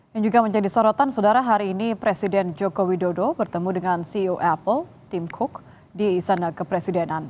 yang juga menjadi sorotan saudara hari ini presiden joko widodo bertemu dengan ceo apple tim cook di istana kepresidenan